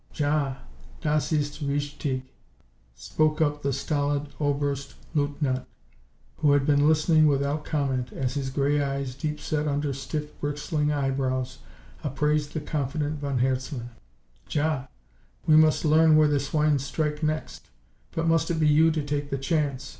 "Ja, das ist richtig" spoke up the stolid Oberst leutnant, who had been listening without comment as his grey eyes, deep set under stiff, bristling eyebrows, appraised the confident von Herzmann. "Ja, we must learn where the swine strike next. But must it be you to take the chance?